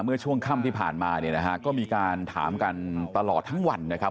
เมื่อช่วงค่ำที่ผ่านมาเนี่ยนะฮะก็มีการถามกันตลอดทั้งวันนะครับ